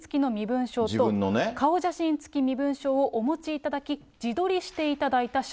顔写真付き身分証をお持ちいただき、自撮りしていただいた写